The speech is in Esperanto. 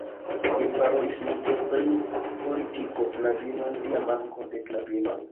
Ni parolis multe pri politiko, knabinoj, lia manko de knabinoj